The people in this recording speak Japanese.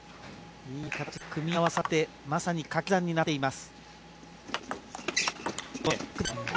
いい形で組み合わさってまさに掛け算になっています。